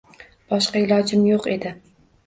Boshqa ilojim yo’q edi.